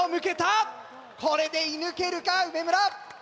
これで射ぬけるか梅村。